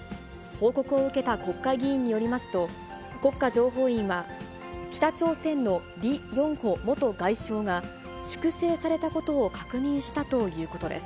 報告を受けた国会議員によりますと、国家情報院は、北朝鮮のリ・ヨンホ元外相が、粛清されたことを確認したということです。